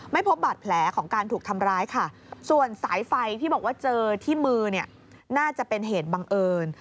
ไม่พบบาดแผลของการถูกทำร้ายค่ะส่วนสายไฟที่บอกว่าเจอที่มือเนี่ยน่าจะเป็นเหตุบังเอิญ